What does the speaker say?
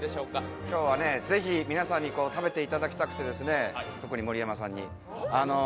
今日はね、ぜひ皆さんに食べていただきたくて、特に盛山さんに。